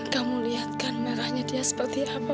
kamu lihat kan merahnya dia seperti apa